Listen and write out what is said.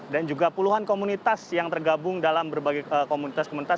dan juga puluhan komunitas yang tergabung dalam berbagai komunitas komunitas